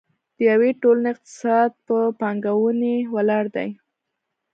د یوې ټولنې اقتصاد په پانګونې ولاړ دی.